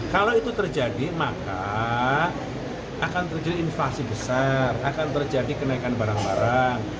kalau itu terjadi maka akan terjadi inflasi besar akan terjadi kenaikan barang barang